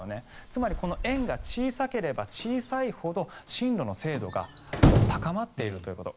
つまり円が小さければ小さいほど進路の精度がもう高まっているということ。